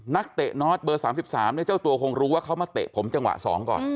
เตะนอสเบอร์๓๓เนี่ยเจ้าตัวคงรู้ว่าเขามาเตะผมจังหวะ๒ก่อน